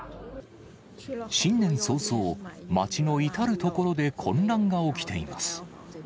新年早々、街の至る所で混乱が起きています。